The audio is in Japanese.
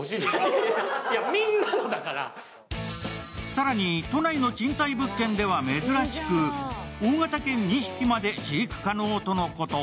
更に、都内の賃貸物件では珍しく大型犬２匹まで飼育可能とのこと。